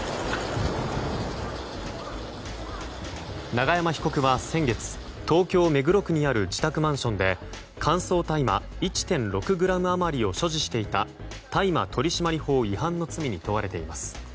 永山被告は先月東京・目黒区にある自宅マンションで乾燥大麻１．６ｇ余りを所持していた、大麻取締法違反の罪に問われています。